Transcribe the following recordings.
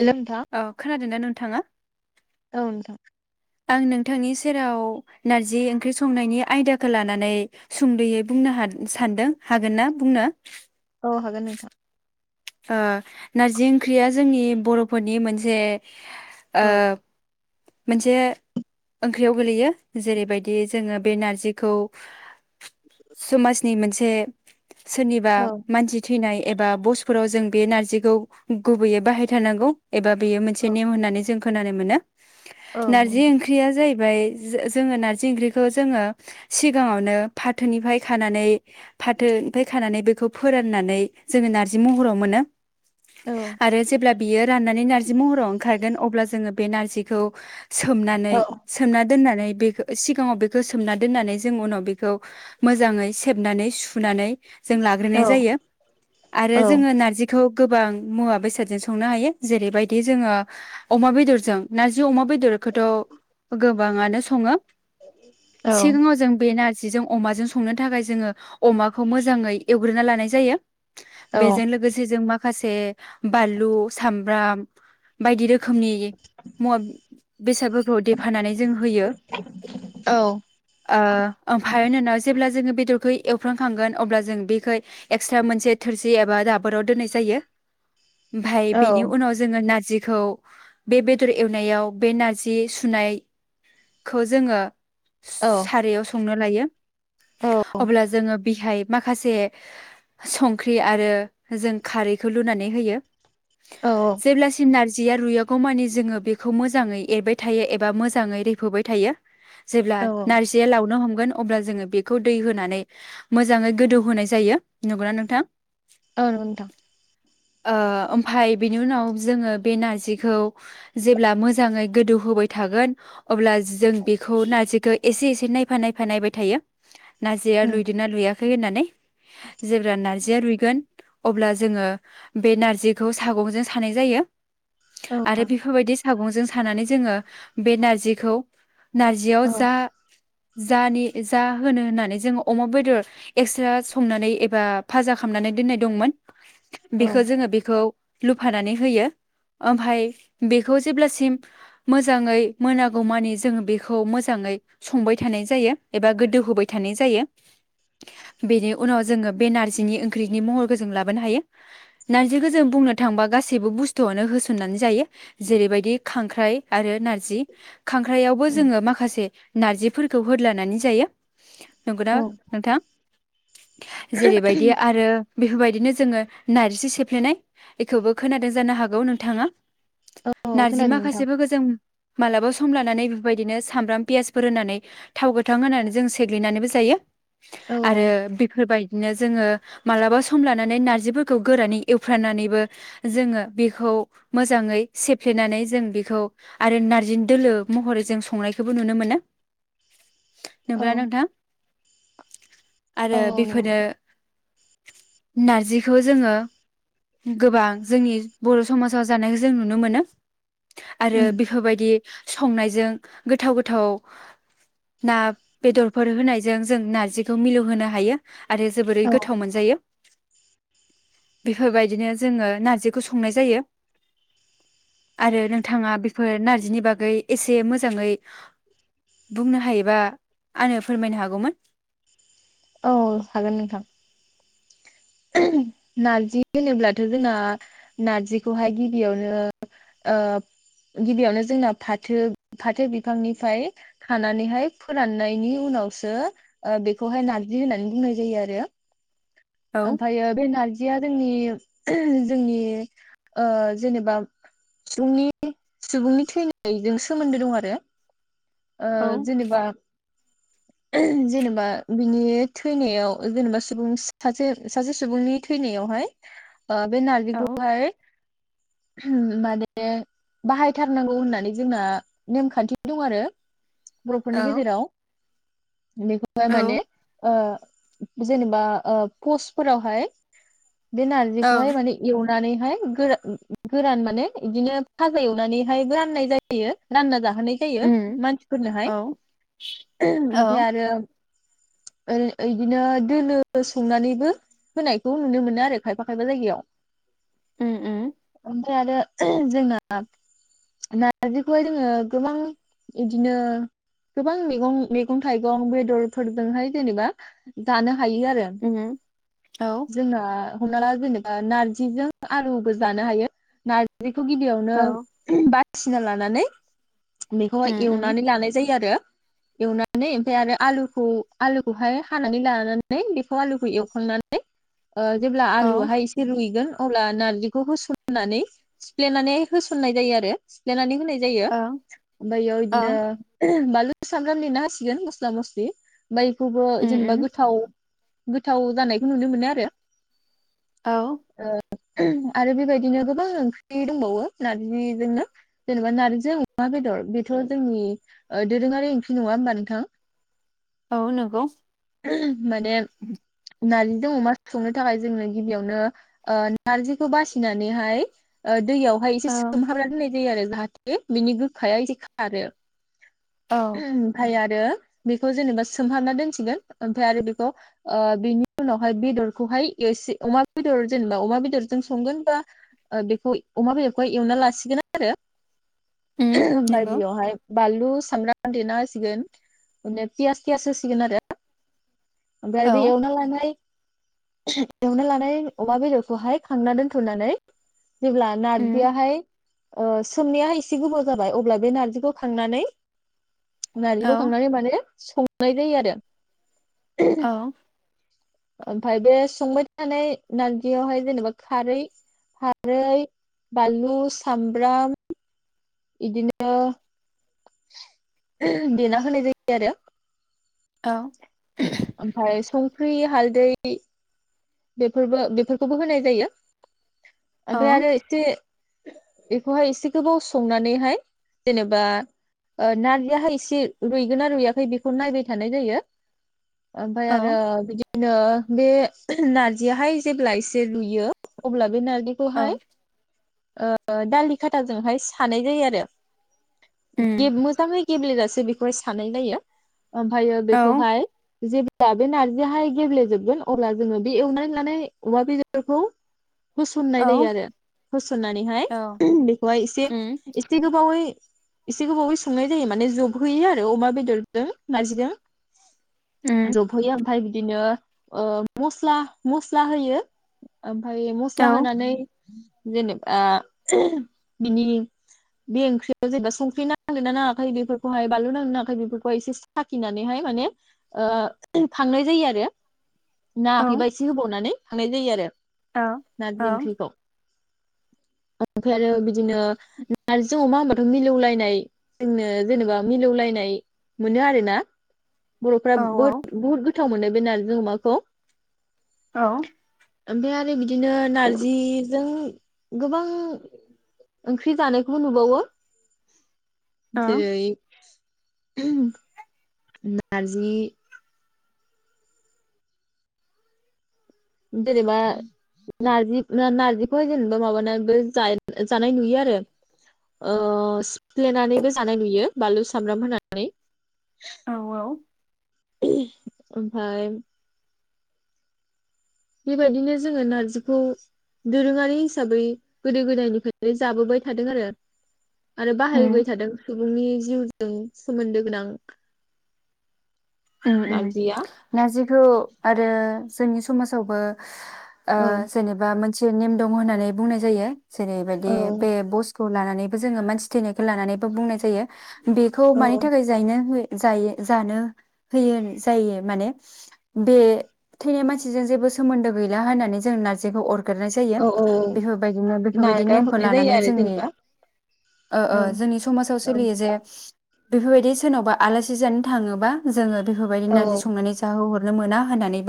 हेल' नोंथां औ खोनादों ना नोंथाङा । औ नोंथां आं नोंथांनि सेराव नारजि ओंख्रि संनायनि आयदाखौ लानानै सुंद'यै बुंनो हाद सानदों हागोनना बुंनो । औ हागोन नोंथां । ओ नारजि ओंख्रिया जोंनि बर'फोरनि मोनसे ओ औ मोनसे ओंख्रियाव गोलैयो जेरैबायदि जोङो बे नारजिखौ समाजनि मोनसे सोरनिबा औ मानसि थैनाय एबा बसफोराव जों बे नारजिखौ गुबैयै बाहाय थारनांगौ । एबा बेयो औ मोनसे नेम होननानै जोंखो खोनानो मोनो । औ नारजि ओंख्रिया जाय फ्राय जोङो नारजि ओंख्रिखौ जोङो सिगाङावनो फाथोनिफ्राय खानानै फाथोनिफाय खानानै बेखौ फोराननानै जोङो नारजि महराव मोनो । औ आरो जेब्लब बियो राननानै नार जि महराव ओंखारगोन अब्ला जोङो बेे नारजि खौ सोमनानै सोमना दोननानै बेखो सिगाङाव बेखौ सोमना दोननानै जों उनाव बेखौ मोजाङै सेबनानै सुनानै जों औ लाग्रोनाय जायो आरो औ जोङो नारजिखौ गोबां मुवा बेसादजों संनो हायो जेरैबायदि जोङो अमा बेदरजों [unintelligible] अमा बेदरखौथ' गोब बाङानो सङो । औ सिगाङाव जों बे नाज जि जों अमाजों संनो थाखाय जोङो अमाखौ मोजाङै एवग्रोना लानाय जायो । बेजों लोगोसे जों मा माखासे बालु सामब्राम बायदि रो खोमनि मुवा बेसादफोरखौ देफानानै जों होयो ओ ओमफाय नोङो जे ब्ला जोङो बेदरखौ एवफ्रानखांगोन अब्ला जों बेखौ एक्सट्रा मोनसे थोरसि एबा दाबोराव दोननाय जायो। ओमफाय बेनि उनाव जोङो नारजि खौ बे बेदर एवनायाव बे नारजि सुनायखौ जोङो स-सारायाव संनो लायो। औ अब्ला जोङो बिहाय माखासे संख्रि आरो जों खारैखौ लुनानै होयो। औ जेब्लासिम नारजि जिया रुयागौ मानि जोङो बेखौ मोजाङै एरबाय थायो एबा मोजाङै रैफोबाय थायो। जेब्ला औ नारजिया लावनो हम मोन अब्ला जोङो बेखौ दै होनानै मोजाङै गोदौ होनाय जायो नंगौना नोंथां? औ नंगौ नोंथां। ओ ओमफाय बेनि उनाव जोङो बे नारजिखौ जेब्ला मोजाङै गोदौ होबाय थागोन अब्ला जों बेखौ नारजिखो एसे एसे नायफा नायफा नायबाय थायो। नाजिया औ लुयदो ना लुया खै होननानै जेब्ला नार्जिया रुइगोन अब्ला जोङो बे नार्जिखौ सागोनजों सानाय जायो। औ आरो बेफोरबायदि सागंजों सानानै जोङो बे नारजिखौ नारजियाव औ जा जा नि जा होनो होननानै जोङो अमा बेदर एक्स्रा संनानै एबा फाजा खामनानै दोननाय दंमोन। औ बेखो जोङो बेखौ लुफानानै होयो ओमफाय बेखौ जेब्लासिम मोजाङै मोनागौमानि जोङो बेखौ मोजाङै संबाय थानाय जायो एबा गोदौ होबाय थानाय जायो बेनि उनाव जोङो बे नारजिनि ओंख्रिनि महरखौ जों लाबोनो हायो। नारजि खो जों बुंनो थांबा गासै सैबो बुस्थुआवनो होसननानै जायो। जेरैबायदि खांख्राइ आरो नारजि खांख्राइयावबो जोङो माखासे नारजिफोरखौ होद लानानै जायो नंगौना औ नोंथां? जेरैबायदि आरो बेफोरबायदिनो जोङो नारजि सेफ्लेनाय बेखोबो खोनादों जानो हागौ नोंथाङा औ नारजि खोनादों नोंथां माखासेफोखो जों मालाबा सम लानानै बेबायदिनो सामब्राम पियासफोर होनानै थाव गोथां होनानै जों सेग्लिनानैबो जायो। औ आरो बेफोरबाय दिनो जोङो मालाबा सम लानानै नारजिफोरखौ गोरानै एवफ्रानानैबो जोङो बेखौ मोजाङै सेफ्लेनानै जों बेखौ आरो नारजिन दोलो महरै जों संनायखोबो नुनो मोनो। औ नोंगौना नोंथां? [unintelligible] औ आरो नंगौ बेफोरो नोंथां नारजिखौ जोङो गोबां जोंनि बर समाजाव जानायखौ जों नु नो मोनो। आरो बेफोरबायदि संनायजों गोथाव गोथाव ना बेदरफोर होनायजों जों नारजिखौ मिलौ होनो हायो। आरो जोबोरै औ गोथाव मोनजायो। बेफोरबायदिनो जोङो नारजिखौ संनाय जायो। आरो नोंथाङा बेफोर नारजिनि बागै एसे मोजाङै बुंनो हायोबा आंनो फोरमायनो हागौमोन। औ हागोन नोंथां। [unintelligible] नारजि होनोब्लाथजोंना नारजिखौहाय गिबियावनो ओ गिबियावनो जोंना फाथो फाथो बिफांनिफ्राय खानानैहाय फोराननायनि उनावसो ओ बेखौहाय नार्जि होननानै बुंनाय जायो आरो औ ओमफायो बे नारजियानो नि जोंनि ओ जेनेबा सुबुंनि सुबुंनि थैनायजों सोमोन्दो दं आरो ओ औ जेनेबा [unintelligible] जेनेबा बिनि थैनायाव जेनेबा सुबुं सासे सासे सुबुंनि थैनायावहाय ओ बे नारजि औ खौहाय माने बाहायथारनांगौ होननानै जोंना नेमखान्थि दं आरो औ बरफोरनि गेजेराव बेखौहाय माने ओं ओ जेनबा ओ पसफोरावहाय बे औ नारजिखौहाय माने एव- [unintelligible] गोरान माने इदिनो फाजा एवनानैहाय राननाय जायो रानना जा- होनाय जायो मानसिफोरनोहाय ओमफाय औ आरो ओ इदिनो दोनो संनानै बो होनाय नुनो मोनो आरो खायफा खाया जायगायाव उम उम ओमफ्राय आरो जोंना नारजिखौहाय जोङो गोबां बिदिनो गोबां मैगं थाइगं बेदरफोरजोंहाय जेनेबा जानो हायो आरो। उम औ जोंङो हमना ला जेनेबा नारजिजों आलुबो जानो हायो नारजि बेखौ गिदिरयावनो औ बा बायसिना लानानै बेखौहाय उम उम एवनानै लानाय जायो आरो एवनानै ओमफाय आरो आलुखौ आलुखौहाय हानानै लानानै बेखौ आलुखौ ए [unintelligible] ओ जेब्ला औ आलुहाय एसे रुइगोन अब्ला नारजिखौ होसननानै सिफ्लेनानै होसननाय जायो आरो सिफ्लेनानै होनाय ज जायो ओं ओमफायो ओं इदिनो सामब्राम देना होसिगोन मस्ला मस्लि बैखौबो उम जेनेबा उम गोथाव गोथ थाव जानायखौ नुनो मोनो आरो। औ। आरो बेबायदिनो गोबां ओंख्रि दंबावो नारजिजोंनो जेनेबा नारजि अमा बेदर बेथ जोंनि दोरोङारि ओंख्रि नङा होमबा नोंथां। औ नंगौ। [unintelligible] माने नारजिजों अमा संनो थाखाय जोंङो गिबियावनो नारजिखौ बासिनानैहाय ओ दैयावहाय एसे औ सोमहाबना दोननाय जायो आरो जाहाथो बिनि गोखाया एसे खारो। औ ओमफाय आरो बेखौ जेनेबा सोमहाबना दोनसिगोन ओमफाय आरो बेखौ बेनि उनावहाय बेदरखौहायस एसे अमा बेदर जेनेबा अमा बेदरजों संगोन बा बेखौ अमा बेदरखौ एवना लासिगोन आरो उम ओमफाय नंगौ बेयावहाय बानलु सामब्राम देना होसिगोन माने पियास थियास होसिगोन आरो। ओफ्राय औ बे एवना लानाय एवना लानाय अमा बेदरखौहाय खांना दोनथनानै जेब्ला उम नारजियाहाय ओ सोमनायाहाय एसे गोबाव जाबाय अब्ला बे नारजिखौ खांनानै नारजिखौ औ खांनानै माने संनाय जायो आरो। औ। ओमफ्राय बे संबाय थानाय नारजियावहाय जेनेबा खारै खारै बानलु सामब्राम इदिनो देना होनाय जायो आरो औ ओमफाय सं संख्रि हालदै बेफोरबो बेफोरखौबो होनाय जायो ओमफ्राय औ आरो एसे एखौ एसे गोजौ सु संनानैहाय जेनेबा ओ नारजियाहाय एसे रुइगोन ना रुइयाखै बेखौ नायबाय थानाय जायो ओमफ्राय औ आरो बिदि बिदिनो बे नारजियाहाय जेब्ला एसे रुयो अब्ला बे नार औ बेखौहाय ओ दालि खाथाजोंहाय थानाय जायो आरो बे उम मोजांङै गेब्ले जासे बेखौहाय सानाय नायो ओमफायो औ बेखौहाय जे ब्ला बे नारजियाहाय गेब्लेेजोबगोन अब्ला जोङो बे एवनानै लानाय अमा बेदरखौ होसननाय औ जायो आरो होसन्नानैहाय औ बेखौहाय एसे उम एसे गोबावै एसे गोबावै संनाय जायो माने जबहयो आरो अमा बेदरजों नारजिजों उम जबहोयो ओमफाय दिनो ओ मस्ला मस्ला होयो ओमफ्राय औ मस्ला होनानै जेनेबा [unintelligible] बिनि बे ओंख्रियाव जेनेबा संख्रि नांदों ना नाङाखै बेफोरखौहाय बानलु नांदो नाङाखै बेफोरखौहाय एसे साखिनानैहाय माने खांनाय जायो आरो औ नाङाखैबा एसे होबावनानै हानाय जायो आरो नारजि औ ओंख्रिखौ ओमफ्राय आरो बिदिनो नारजि अमा होनोमबाथ' मिलौलायनाय जोंनो जेनेबा मिलौलायनाय मोनो आरो ना बर'फ्रा औ बोथ बहुत गोथ गोथाव मोनो बे नारजि अमाखौ औ ओमफ्राय आरो बिदिनो नारजिजों गोबां ओंख्रि जानाय खौ नुबावो औ जेरै [unintelligible] नारजि जेनेबा नारजि नार्जिखौहाय जेनेबा माबानानैबो जानाय नुयो आरो सिफ्लेनानैबो जानाय नुयो बानलु सामब्राम होनानै [unintelligible] ओमफ्राय बेबायदिनो जोङो नारजिखौ दोरोङारि हिसाबै गोदो गोदायनिफ्रायनो जाबोबाय थादों आरो । आरो उम बाहायबाय थादों सुबुंनि जिउ जों सोमोन्दो गोनां उम उम नारजिया नारजिखौ आरो जोंनि समाजावबो ओ औ जेनेबा मोन मोनसे नेम दङ होननानै बुंनाय जायो । औ जेरैबायदि बे बस खौ लानानैबो जोङो मानसि थैनायखौ लानानैबो बुंनाय जायो । बेखौ मानि थाखाय जायनो हो जायो जानो होयो जायो माने बे थैनाय मानसिजों जेबो सोमोन्दो गैला होननानै जों नारजिखौ अर अगारनाय जायो औ औ बेफोरबायदिनो बेफोरबायदि नागार नेमखौ हरनाय जायो लानानै आरो जोंनि जेनेबा ओ ओ औ जोंनि समाजाव औ सोलियो जे बेफोरबायदि सोरनावबा आलासि जानो थाङोबा जोङो बेफोरबायदि औ नारजि संनानै जाहो हर मोना होननानै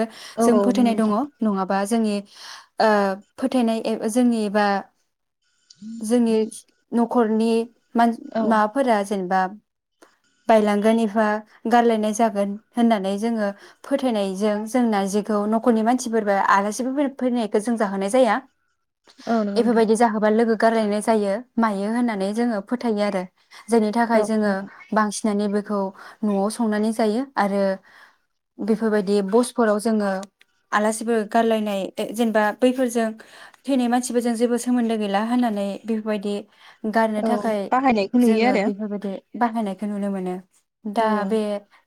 जों औ फोथायनाय दङ नङाबा जोंनि ओ फोथायनाया ए जोंनि एबा जोंनि न'खरनि मान औ माबाफोरा जेनेबा बायलांगोन निफा गारलायनाय जागोन होननानै जोङो फोथायनायजों जों नारजिखौ नखरनि मानसिफोरबो आलासिबो फैनायखौ जों जाहोनाय जाया नंगौ नोंथां औ । नंगौ नोंथां इफोरबायदि जाहोबा लोगो गारलायनाय जायो मायो होननानै जोङो फोथायो आरो । जायनि थाखाय औ नंगौ जोङो नोंथां बांसिनानो बेखौ न'आव स संनानै जायो आरो बेफोरबायदि बसफोराव जोङो आलासिफोर गारलायनाय जेनेबा बैफोरजों थैनाय मानसिफोरजों जेबो सोमोन्दो गैला होननानै बेफोरबायदि गारनो औ थाखाय बाहायनायखौ नुयो जोङो आरो बेफोरबायदि बाहायनायखौ नुनो मोनो। दा औ बे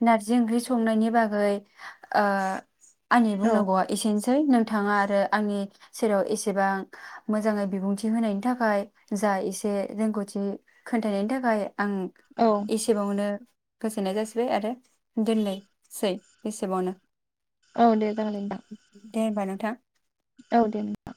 नारजि ओंख्रि संनायनि बागै ओ आंनि औ बुंनांगौआ एसेनोसै। सै नोंथाङा आरो आंनि सेराव एसेबां मोजाङै बिबुंथि होनायनि थाखाय जा एसे रोंगौथि खोनथायनायनि थाखाय आं औ एसेबावनो गोजोनाय जासि बाय आरो दिननैसै एसेबावनो। औ दे जागोन दे नोंथां। दे होमबा नोंथां। औ दे नोंथां।